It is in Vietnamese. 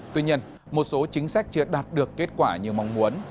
tuy nhiên một số chính sách chưa đạt được kết quả như mong muốn